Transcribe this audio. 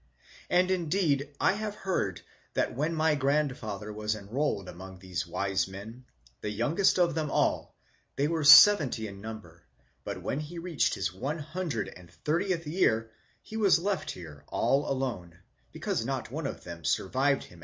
And indeed I have heard that when my grandfather was enrolled among these wise men, the youngest of them all, they were seventy in number, but when he reached his 130th year, he was left here all alone, because not one of them 'survived him.